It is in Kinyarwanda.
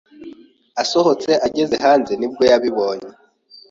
asohotse ageze hanze nibwo yabibonye